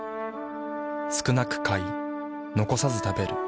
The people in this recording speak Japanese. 少なく買い残さず食べる。